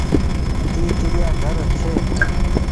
اي چڙيآ گهر ڇي۔